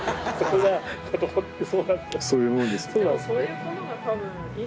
そういうもんです。